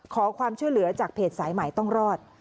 ขอความช่วยเหลือจากเพจสายใหม่ต้องรอด